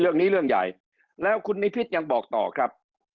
เรื่องนี้เรื่องใหญ่แล้วคุณนิพิษยังบอกต่อครับ